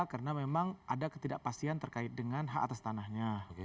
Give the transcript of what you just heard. karena memang ada ketidakpastian terkait dengan hak atas tanahnya